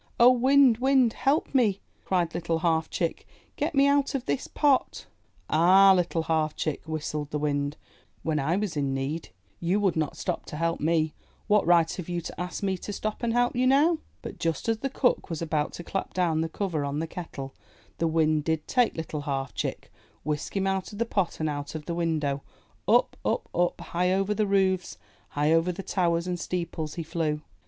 '^O, Wind, Wind, help me!" cried Little Half Chick. ''Get me out of this pot!" *'Ah, Little Half Chick," whistled the Wind, ''when I was in need, you would not stop to help 3" MY BOOK HOUSE me. What right have you to ask me to stop and help you now?'' But just as the Cook was about to clap down the cover again on the kettle, the Wind did take Little Half Chick, whisk him out of the pot and out of the window. Up, up, up, high over the roofs, high over the towers and steeples he flew